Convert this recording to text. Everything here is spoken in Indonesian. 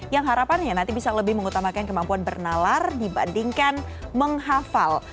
yang harapannya nanti bisa lebih mengutamakan kemampuan bernalar dibandingkan menghafal